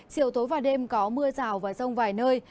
chiều tối và đêm có mưa rào và rông vài nơi